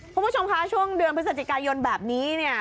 คุณผู้ชมคะช่วงเดือนพฤศจิกายนแบบนี้เนี่ย